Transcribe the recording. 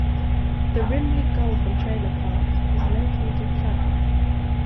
The Rimbey Golf and Trailer Park was located south.